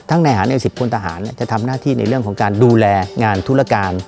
ทั้งนายหารและสิปพลตหารจะทำหน้าที่ในเรื่องของดูแลงานต์ทุลการ